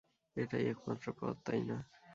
এটাই একমাত্র পথ, তাই না?